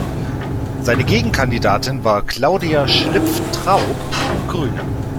Seine Gegenkandidatin war Claudia Schlipf-Traup, Grüne.